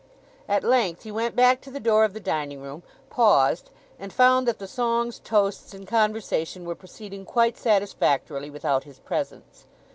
At length he went back to the door of the dining room, paused, and found that the songs, toasts, and conversation were proceeding quite satisfactorily without his presence.